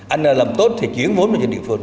anh làm tốt thì chuyển vốn vào địa phương